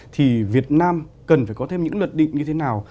thì việt nam cần phải có thêm những luật định như thế nào